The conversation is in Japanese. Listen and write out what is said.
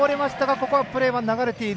ここはプレーが流れている。